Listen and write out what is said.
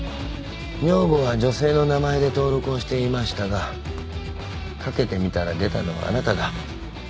女房は女性の名前で登録をしていましたがかけてみたら出たのはあなただ。